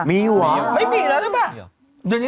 มีอยู่ร้านนี้